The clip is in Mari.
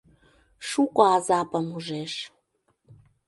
Шуко азапым ужеш.